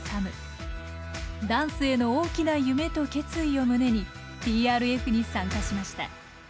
ダンスへの大きな夢と決意を胸にＴＲＦに参加しました。